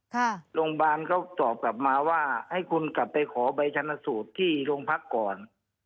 โรงพยาบาลเขาตอบกลับมาว่าให้คุณกลับไปขอใบชนสูตรที่โรงพักก่อน